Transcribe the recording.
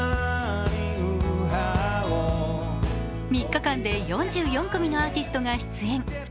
３日間で４４組のアーティストが出演。